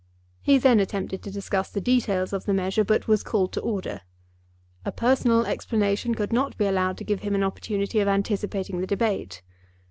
He then attempted to discuss the details of the measure, but was called to order. A personal explanation could not be allowed to give him an opportunity of anticipating the debate.